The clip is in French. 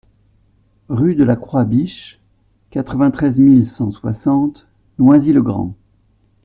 Rue de la Croix Biche, quatre-vingt-treize mille cent soixante Noisy-le-Grand